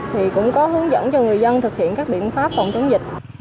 thì cũng có hướng dẫn cho người dân thực hiện các biện pháp phòng chống dịch